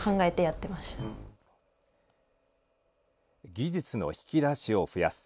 技術の引き出しを増やす。